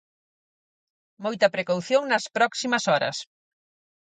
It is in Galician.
Moita precaución nas próximas horas.